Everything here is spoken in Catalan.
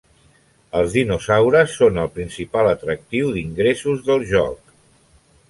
Els dinosaures són el principal atractiu d'ingressos del joc.